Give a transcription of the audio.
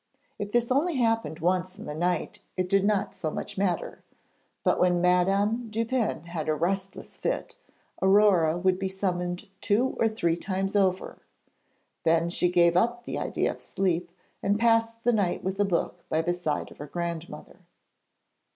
If this only happened once in the night it did not so much matter; but when Madame Dupin had a restless fit, Aurore would be summoned two or three times over. Then she gave up the idea of sleep, and passed the night with a book by the side of her grandmother.